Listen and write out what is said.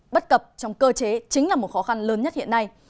bất cập trong cơ chế chính là một khó khăn lớn nhất hiện nay